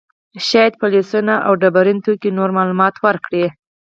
شاید فسیلونه او ډبرین توکي نور معلومات ورکړي.